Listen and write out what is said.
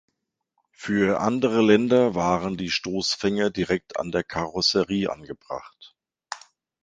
Für andere Länder waren die Stoßfänger direkt an der Karosserie angebracht.